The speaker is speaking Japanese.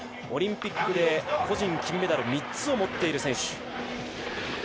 オリンピックで個人金メダル３つを持っている選手。